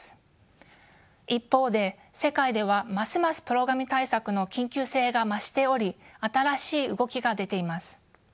一方で世界ではますますプラごみ対策の緊急性が増しており新しい動きが出ています。